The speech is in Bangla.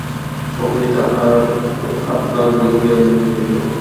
সকলই তাহার আপনার বলিয়া মনে হইল।